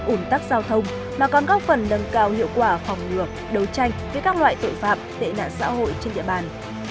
ủn tắc giao thông mà còn góp phần nâng cao hiệu quả phòng ngừa đấu tranh với các loại tội phạm tệ nạn xã hội trên địa bàn